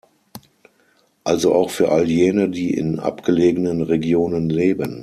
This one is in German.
Also auch für all jene, die in abgelegenen Regionen leben.